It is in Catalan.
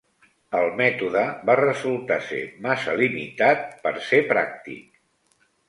El mètode va resultar ser massa limitat per ser pràctic.